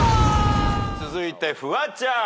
続いてフワちゃん。